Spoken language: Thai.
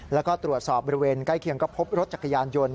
แล้วก็ตรวจสอบบริเวณใกล้เคียงก็พบรถจักรยานยนต์